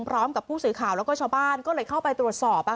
พร้อมกับผู้สื่อข่าวแล้วก็ชาวบ้านก็เลยเข้าไปตรวจสอบ